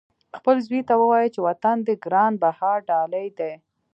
خپل زوی ته ووایه چې وطن دې ګران بها ډالۍ دی.